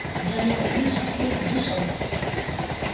Derrière lui se trouvent deux soldats.